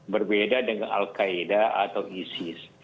berbeda dengan al qaeda atau isis